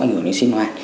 ảnh hưởng đến sinh hoạt